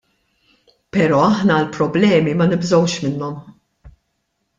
Pero ' aħna l-problemi ma nibżgħux minnhom.